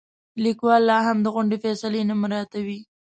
لیکوال لاهم د غونډې فیصلې نه مراعاتوي.